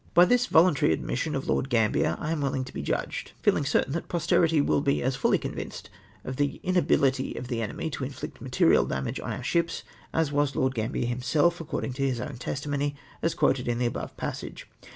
101 By this voluntary admission of Lord Gambier I am willing to be judged — feeling certain that posterity ^vill be as fully convinced of the inability of the enemy to in llict material damage on our ships, as was Lord Gambier himself, according to his ow^n testimony, as quoted in the above passage.